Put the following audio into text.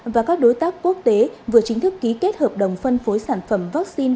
và các đối tác quốc tế vừa chính thức ký kết hợp đồng phân phối sản phẩm vaccine